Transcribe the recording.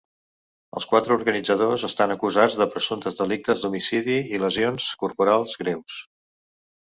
Els quatre organitzadors estan acusats de presumptes delictes d’homicidi i lesions corporals greus.